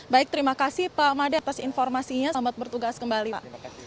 baik terima kasih pak made atas informasinya selamat bertugas kembali pak